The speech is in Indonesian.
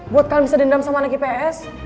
buat kalian bisa dendam sama anak gps